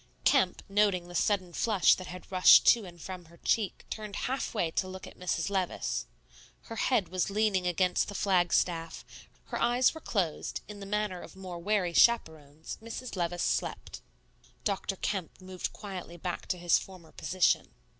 Kemp, noting the sudden flush that had rushed to and from her cheek, turned halfway to look at Mrs. Levice. Her head was leaning against the flag staff; her eyes were closed, in the manner of more wary chaperones, Mrs. Levice slept. Dr. Kemp moved quietly back to his former position.